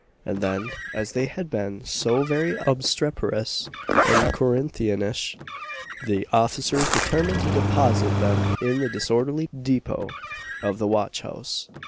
And then, as they had been so very obstreperous and Corinthianish, the officers determined to deposit them in the disorderly dépôt of the watch house.